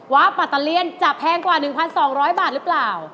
ปัตเตอร์เลี่ยนจะแพงกว่า๑๒๐๐บาทหรือเปล่า